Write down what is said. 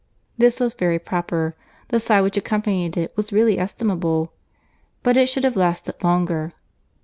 This was very proper; the sigh which accompanied it was really estimable; but it should have lasted longer.